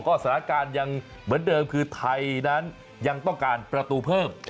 ก็สถานการณ์ยังเหมือนเดิมคือไทยนั้นยังต้องการประตูเพิ่ม